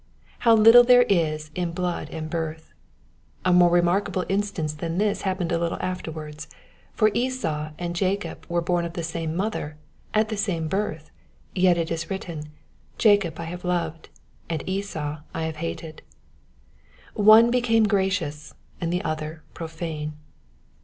How little is there in blood and birth! A more remarkable instance than this happened a little afterwards ; for Esau and Jacob were bom of the same mother, at the same birth, yet is it written, "Jacob have I loved, and Esau have I hated." One became gracious, and the other profane.